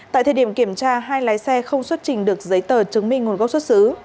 tại thời điểm kiểm tra hai lái xe không xuất trình được giấy tờ chứng minh nguồn gốc xuất xứ